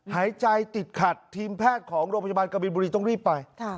หายใจติดขัดทีมแพทย์ของโรงพยาบาลกบินบุรีต้องรีบไป